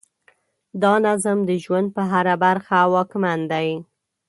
دا نظم د ژوند په هره برخه واکمن دی.